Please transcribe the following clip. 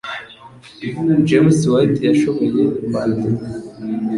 James White yashoboye kwandika